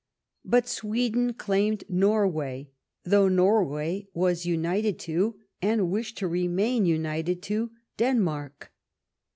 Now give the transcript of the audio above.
But Sweden claimed Norway, though Norway was united to, and wished to remain united to, Denmark.